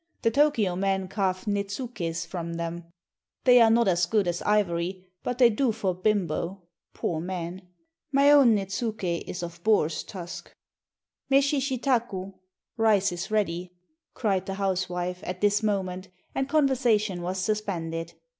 The Tokio men carve nétsukés from them. They are not as good as ivory, but they do for bimbo [poor men]. My own nétsuké is of boar's tusk." "Meshi shitaku" (rice is ready), cried the housewife, at this moment, and conversation was suspended.